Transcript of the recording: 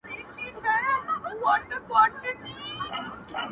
پر دغه لاره كه بلا ويــنــمــــه خــونـــــــد راكـــــــــوي.